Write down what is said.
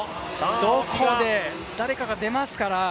どこで誰かが出ますから。